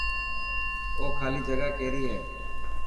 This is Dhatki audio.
او خالي جگا ڪيري هي.